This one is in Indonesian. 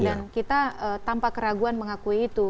dan kita tanpa keraguan mengakui itu